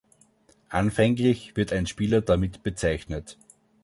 Anfänglich wird ein Spieler damit bezeichnet.